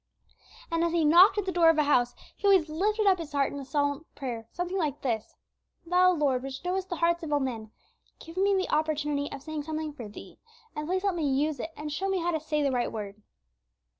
And, as he knocked at the door of a house, he always lifted up his heart in a silent prayer, something like this: "Thou, Lord, which knowest the hearts of all men, give me the opportunity of saying something for Thee, and please help me use it, and show me how to say the right word."